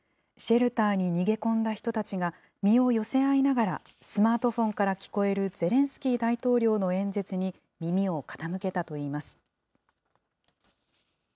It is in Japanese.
シェルターに逃げ込んだ人たちが、身を寄せ合いながら、スマートフォンから聞こえるゼレンスキー大統領の演説に耳を傾けたといいます。